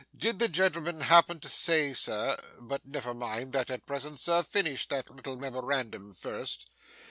Did the gentleman happen to say, Sir but never mind that at present, sir; finish that little memorandum first.